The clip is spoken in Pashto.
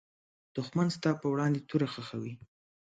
دښمن ستا پر وړاندې توره خښوي